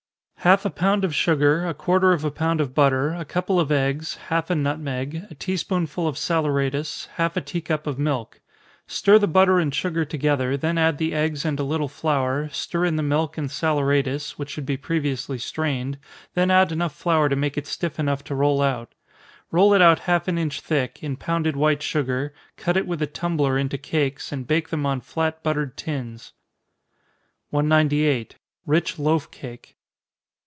_ Half a pound of sugar, a quarter of a pound of butter, a couple of eggs, half a nutmeg, a tea spoonful of saleratus, half a tea cup of milk. Stir the butter and sugar together, then add the eggs and a little flour, stir in the milk and saleratus, which should be previously strained, then add enough flour to make it stiff enough to roll out roll it out half an inch thick, in pounded white sugar, cut it with a tumbler into cakes, and bake them on flat buttered tins. 198. _Rich Loaf Cake.